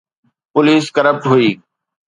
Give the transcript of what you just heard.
Police corrupt هئي.